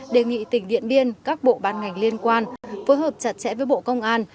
đề nghị tỉnh điện biên các bộ ban ngành liên quan phối hợp chặt chẽ với bộ công an